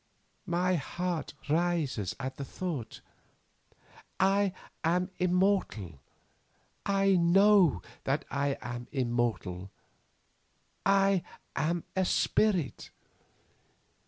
My heart rises at the thought. I am immortal. I know that I am immortal. I am a spirit.